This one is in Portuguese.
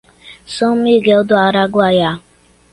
São Miguel do Araguaia